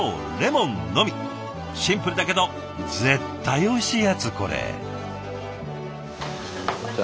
シンプルだけど絶対おいしいやつこれ。